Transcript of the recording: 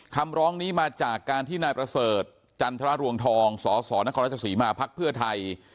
คำร้องนี้มาจากการที่นายประเสริฐจันทรรวงทองสสนครราชสีมาพักเพื่อไทย